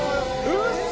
ウソ！